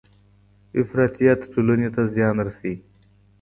افراطیت ټولني ته زیان رسوي.